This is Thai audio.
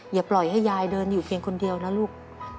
อย่าปล่อยให้ยายเดินอยู่เพียงคนเดียวนะลูก